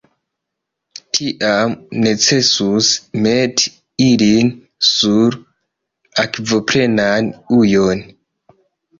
Tiam necesus meti ilin sur akvoplenan ujon.